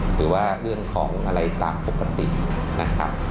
หรือว่าเรื่องของอะไรตามปกตินะครับ